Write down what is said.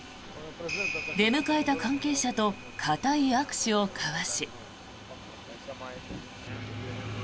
出迎えた関係者と固い握手を交わし。